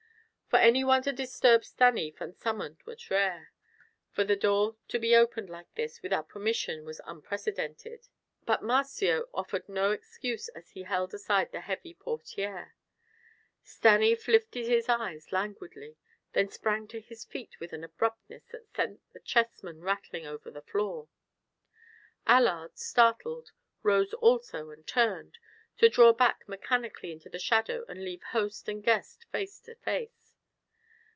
For any one to disturb Stanief unsummoned was rare; for the door to be opened like this, without permission, was unprecedented. But Marzio offered no excuse as he held aside the heavy portière. Stanief lifted his eyes languidly, then sprang to his feet with an abruptness that sent the chessmen rattling over the floor. Allard, startled, rose also and turned, to draw back mechanically into the shadow and leave host and guest face to face.